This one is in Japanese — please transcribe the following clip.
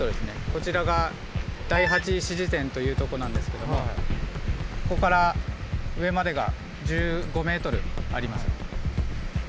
こちらが第８支持点というとこなんですけどもここから上までが１５ｍあります。